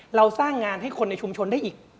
เราสร้างงานให้คนในชุมชนได้อีก